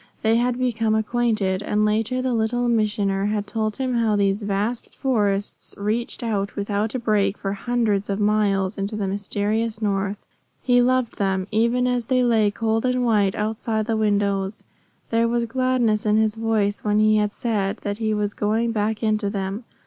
They had become acquainted. And later the Little Missioner had told him how those vast forests reached without a break for hundreds of miles into the mysterious North. He loved them, even as they lay cold and white outside the windows. There was gladness in his voice when he had said that he was going back into them.